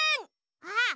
あっ！